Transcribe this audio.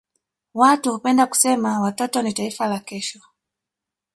Watu hupenda kusema watoto ni taifa la kesho.